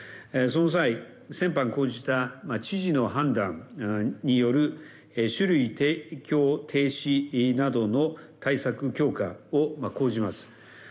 その際、先般、講じた知事の判断による酒類提供停止などの対策強化を講じます。